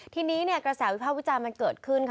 ทีนี้กระแสวิภาพวิจารณ์มันเกิดขึ้น